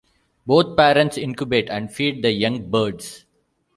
Both parents incubate and feed the young birds.